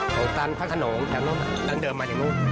โหจานพระขนมจานเดิมมานี่นู้น